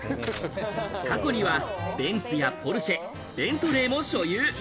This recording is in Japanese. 過去にはベンツやポルシェ、ベントレーも所有。